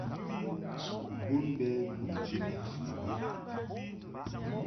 Bon bɛ bumti bas un bab.